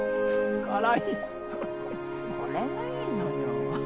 これがいいのよははっ。